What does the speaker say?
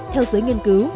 theo giới nghiên cứu